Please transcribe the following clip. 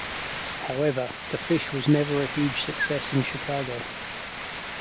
However, "The Fish" was never a huge success in Chicago.